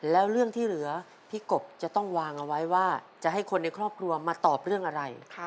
แล้วเรื่องที่เหลือพี่กบจะต้องวางเอาไว้ว่าจะให้คนในครอบครัวมาตอบเรื่องอะไร